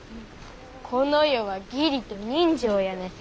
この世は義理と人情やねん。